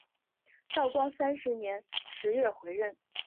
道光三年十月回任。